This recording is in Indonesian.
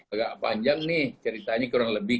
agak panjang nih ceritanya kurang lebih